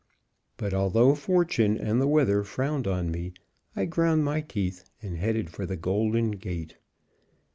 But, although fortune and the weather frowned on me, I ground my teeth and headed for the Golden Gate.